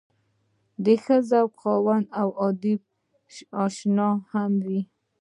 د ښۀ ذوق خاوند او ادب شناس هم وو